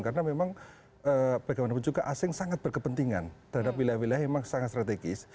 karena memang bagaimanapun juga asing sangat berkepentingan terhadap wilayah wilayah yang memang sangat strategis